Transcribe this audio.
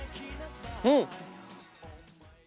うん！